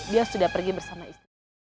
dia sudah pergi bersama istri